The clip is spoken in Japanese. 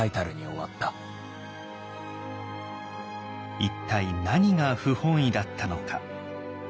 一体何が不本意だったのか？